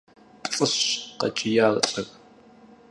– ПцӀыщ! – къэкӀиящ лӏыр.